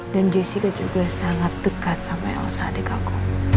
dan jessica juga sangat dekat sama elsa adik aku